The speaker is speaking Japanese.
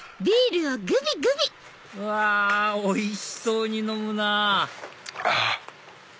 うわおいしそうに飲むなぁあ！